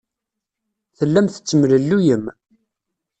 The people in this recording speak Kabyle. Tellam tettemlelluyem.